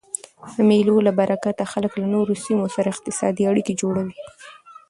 د مېلو له برکته خلک له نورو سیمو سره اقتصادي اړیکي جوړوي.